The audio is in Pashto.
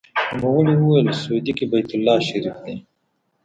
نوموړي وویل: سعودي کې بیت الله شریف دی.